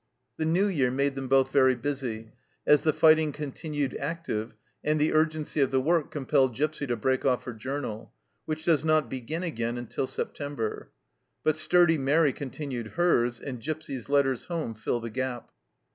The New Year made them both very busy, as the fighting continued active, and the urgency of the work compelled Gipsy to break off her journal, which does not begin again until September ; but sturdy Mairi continued hers, and Gipsy's letters home fill the gap.